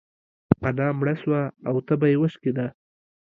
انا مړه سوه او تبه يې وشکيده.